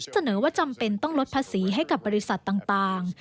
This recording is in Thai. เสนอว่าจำเป็นต้องลดภาษีให้กับบริษัทต่าง